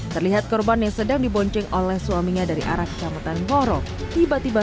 terlihat korban yang sedang dibonceng oleh suaminya dari arah kecamatan ngorok tiba tiba